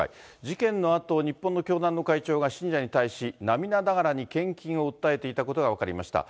事件のあと、日本の教団の会長が信者に対し、涙ながらに献金を訴えていたことが分かりました。